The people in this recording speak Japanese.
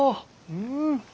うん。